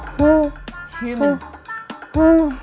unh uu human huh